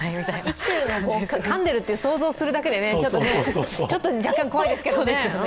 生きてるのをかんでると想像するだけでちょっと若干怖いですけどね。